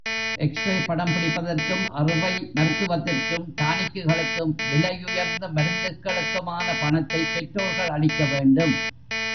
X ray படம் பிடிப்பதற்கும், அறுவை மருத்துவத்திற்கும், டானிக்குகளுக்கும், விலையுயர்ந்த மருந்துகளுக்குமான பணத்தைப் பெற்றோர்கள் அளிக்க வேண்டும்.